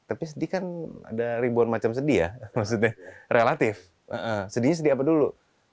tapi sedih kan ada ribuan macam sedih ya maksudnya relatif sedihnya sedih apa dulu